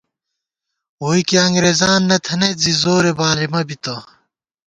ووئی کی انگرېزان نہ تھنَئیت زی زورے بارِمہ بِتہ